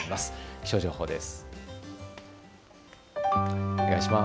気象情報です。